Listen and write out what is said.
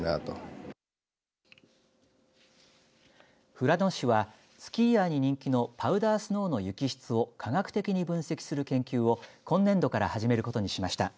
富良野市はスキーヤーに人気のパウダースノーの雪質を科学的に分析する研究を今年度から始めることにしました。